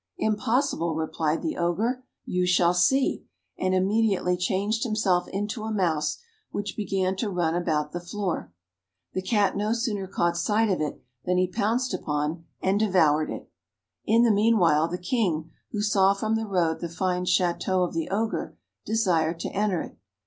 "Impossible!" replied the Ogre; "you shall see!" and immediately changed himself into a mouse, which began to run about the floor. The Cat no sooner caught sight of it than he pounced upon and devoured it. In the meanwhile, the King, who saw from the road the fine Château of the Ogre, desired to enter it.